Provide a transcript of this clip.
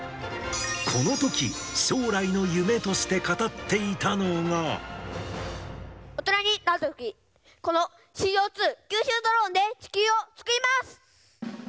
このとき、将来の夢として語って大人になるとき、このＣＯ２吸収ドローンで、地球を救います。